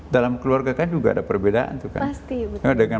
dalam keluarga kan juga ada perbedaan